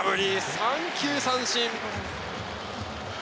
三球三振。